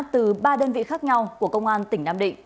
từ ba đơn vị khác nhau của công an tỉnh nam định